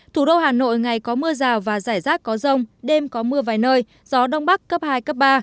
thủ đô hà nội ngày có mưa rào và rải rác có rông đêm có mưa vài nơi gió đông bắc cấp hai cấp ba